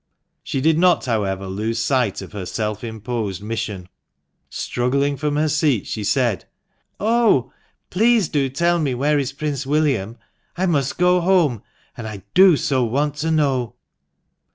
She did not, however, lose sight of her self imposed mission. Struggling from her seat, she said —" Oh, please do tell me where is Prince William ; I must go home, and I do so want to know."